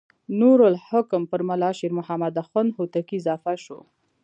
نور الحکم پر ملا شیر محمد اخوند هوتکی اضافه شو.